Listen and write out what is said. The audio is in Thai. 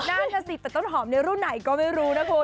นั่นน่ะสิแต่ต้นหอมในรุ่นไหนก็ไม่รู้นะคุณ